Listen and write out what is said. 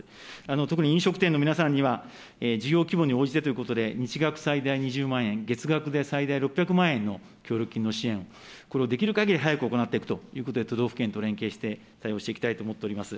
特に飲食店の皆さんには、事業規模に応じてということで、日額最大２０万円、月額で最大６００万円の協力金の支援、これをできるかぎり早く行っていくということで、都道府県と連携して対応していきたいと思っております。